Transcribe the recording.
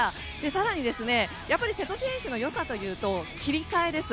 更に、やっぱり瀬戸選手の良さというと切り替えです。